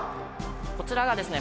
こちらがですね